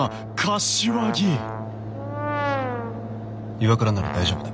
岩倉なら大丈夫だ。